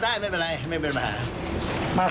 อ๋อได้ไม่เป็นไรไม่เป็นประหาร